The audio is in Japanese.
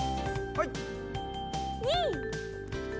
はい。